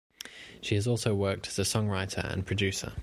She has also worked as a songwriter and producer.